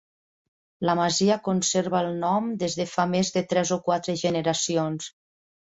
La masia conserva el nom des de fa més de tres o quatre generacions.